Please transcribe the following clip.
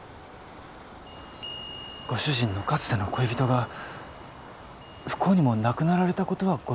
ご主人のかつての恋人が不幸にも亡くなられたことはご存じでしたか？